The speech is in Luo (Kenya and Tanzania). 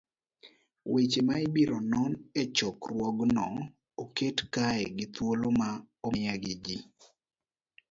Weche ma ibiro non e chokruogno oket kae gi thuolo ma omiya gi ji